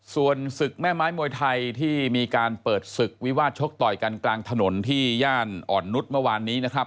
ส่วนศึกแม่ไม้มวยไทยที่มีการเปิดศึกวิวาสชกต่อยกันกลางถนนที่ย่านอ่อนนุษย์เมื่อวานนี้นะครับ